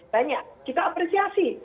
banyak kita apresiasi